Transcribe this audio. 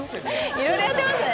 いろいろやってますね。